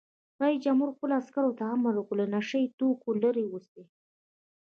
رئیس جمهور خپلو عسکرو ته امر وکړ؛ له نشه یي توکو لرې اوسئ!